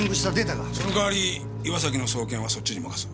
その代わり岩崎の送検はそっちに任す。